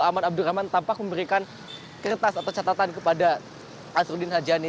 aman abdurrahman tampak memberikan kertas atau catatan kepada asruddin hajani